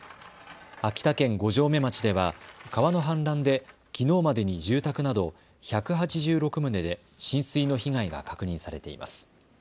秋田県五城目町では川の氾濫できのうまでに住宅など１８６棟で浸水の被害が確認されています。